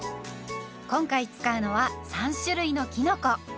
今回使うのは３種類のきのこ。